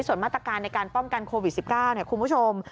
ส่วนมาตรการในการป้องกันโควิด๑๙คุณผู้ชม